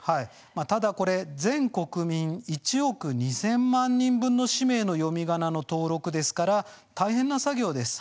ただ全国民１億２０００万人分の氏名の読みがなの登録ですから大変な作業です。